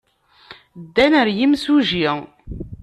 Ddan ɣer yimsujji.